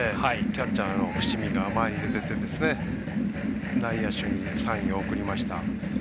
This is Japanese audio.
キャッチャーの伏見が前に出てて内野手にサインを送りました。